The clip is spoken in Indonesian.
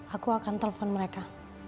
aku akan telpon mereka